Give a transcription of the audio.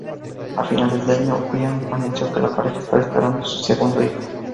A finales de año, Bryant anunció que la pareja estaba esperando su segundo hijo.